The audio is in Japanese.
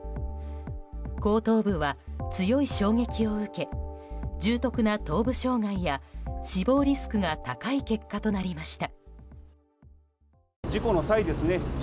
後頭部は強い衝撃を受け重篤な頭部障害や死亡リスクが高い結果となりました。